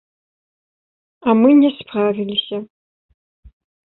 А мы не справіліся.